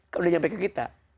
kalau udah nyampe ke kita